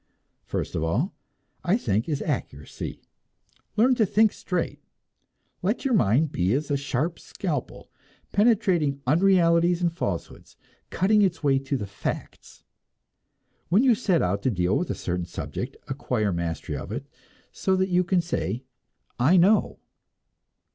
First of all, I think, is accuracy. Learn to think straight! Let your mind be as a sharp scalpel, penetrating unrealities and falsehoods, cutting its way to the facts. When you set out to deal with a certain subject, acquire mastery of it, so that you can say, "I know."